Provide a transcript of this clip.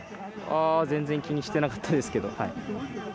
全然気にしてなかったですけど。